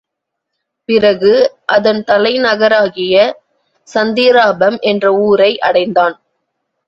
பிறகு அதன் தலைநகராகிய சந்திராபம் என்ற ஊரை அடைந்தான்.